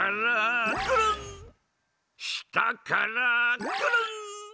したからくるん！